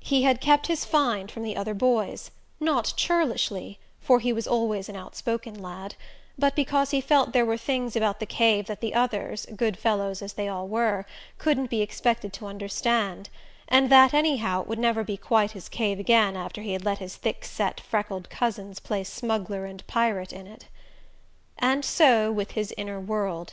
He had kept his find from the other boys, not churlishly, for he was always an outspoken lad, but because he felt there were things about the cave that the others, good fellows as they all were, couldn't be expected to understand, and that, anyhow, it would never be quite his cave again after he had let his thick set freckled cousins play smuggler and pirate in it. And so with his inner world.